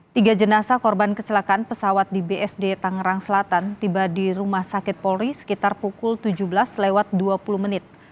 tiga jenazah korban kecelakaan pesawat di bsd tangerang selatan tiba di rumah sakit polri sekitar pukul tujuh belas lewat dua puluh menit